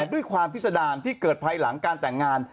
ด้วยความพิษดารที่เกิดภายหลังการแต่งงาน